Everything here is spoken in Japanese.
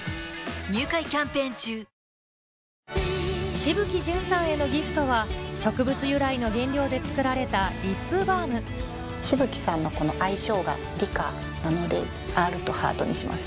紫吹淳さんへのギフトは植物由来の原料で作られたリップバーム紫吹さんの愛称が「りか」なのでＲとハートにしました。